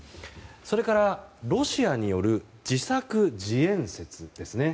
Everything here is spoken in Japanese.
それから、ロシアによる自作自演説ですね。